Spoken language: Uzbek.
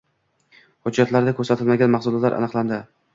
Hujjatlarda ko‘rsatilmagan mahsulotlar aniqlanding